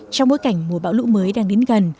trong bối cảnh mùa bão lũ mới đang đến gần